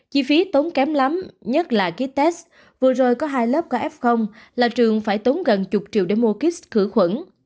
chi phí tốn kém lắm nhất là ký test vừa rồi có hai lớp có f là trường phải tốn gần chục triệu để mua kích khử khuẩn